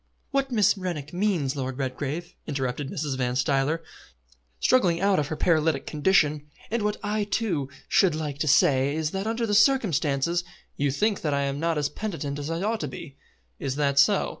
"What Miss Rennick means, Lord Redgrave," interrupted Mrs. Van Stuyler, struggling out of her paralytic condition, "and what I, too, should like to say, is that under the circumstances " "You think that I am not as penitent as I ought to be. Is that so?"